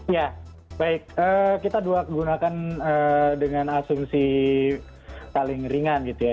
ya baik kita dua gunakan dengan asumsi paling ringan gitu ya